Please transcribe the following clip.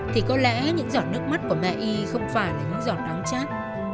thì có lẽ những giọt nước mắt của mẹ y không phải là những giọt đáng chát